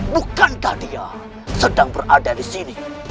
bukankah dia sedang berada di sini